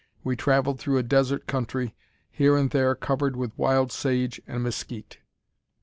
We travelled through a desert country, here and there covered with wild sage and mezquite.